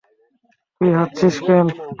তুই হাসছিস কেন?